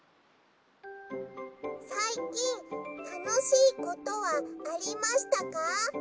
「さいきんたのしいことはありましたか？」。